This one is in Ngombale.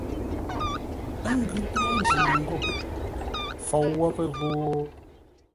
Ə́ ngʉ ńtúŋú Njino ngô: Fou wə́ pə́ ghó.